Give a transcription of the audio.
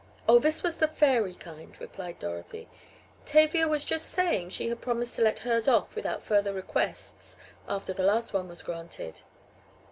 "Oh, this was the fairy kind," replied Dorothy. "Tavia was just saying she had promised to let hers off without further requests after the last was granted."